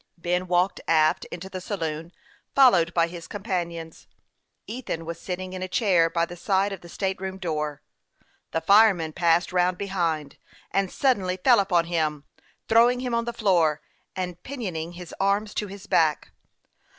Ben walked aft into the saloon, followed by his companions. Ethan was sitting in a chair by the side of the state room door. The fireman passed round behind, and suddenly fell upon him, throwing him on the floor, and pinioning his arms to his back.